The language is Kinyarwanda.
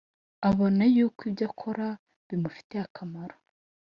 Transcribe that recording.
Abona yuko ibyo akora bimufitiye akamaro